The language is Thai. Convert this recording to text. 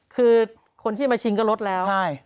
คือคนที่มาชิงก็ลดแล้ว